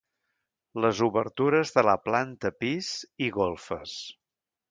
Les obertures de la planta pis i golfes.